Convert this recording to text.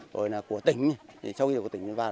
rồi là của tỉnh sau khi là của tỉnh